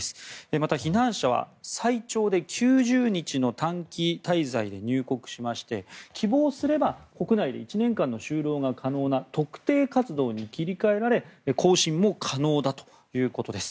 また避難者は最長で９０日の短期滞在で入国しまして希望すれば国内で１年間の就労が可能な特定活動に切り替えられ更新も可能だということです。